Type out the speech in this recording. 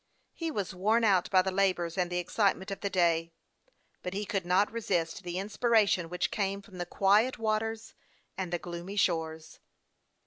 He was worn out by the labors and the excitement of the day, but he could not resist the inspiration which came from the quiet waters and the gloomy shores.